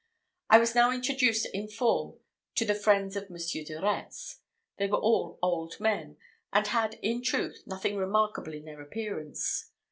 I was now introduced in form to the friends of Monsieur de Retz: they were all old men; and had, in truth, nothing remarkable in their appearance.